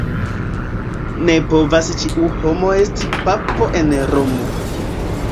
Ne povas ĉiu homo esti papo en Romo.